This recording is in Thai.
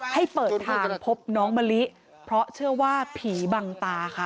ให้เปิดทางพบน้องมะลิเพราะเชื่อว่าผีบังตาค่ะ